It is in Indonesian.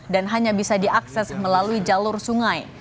dan hanya bisa diakses melalui jalur sungai